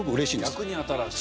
逆に新しい。